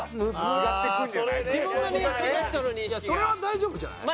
それは大丈夫じゃない？